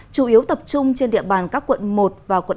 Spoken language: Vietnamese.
chủ yếu tập trung trên địa bàn các quận một và quận tám